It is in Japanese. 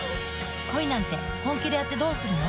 「恋なんて、本気でやってどうするの？」